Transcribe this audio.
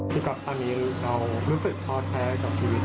พี่กลับตอนนี้เรารู้สึกท้อแท้กับชีวิต